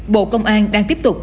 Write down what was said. bộ công an đang tiếp tục